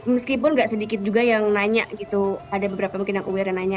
meskipun nggak sedikit juga yang nanya gitu ada beberapa mungkin yang aware dan nanya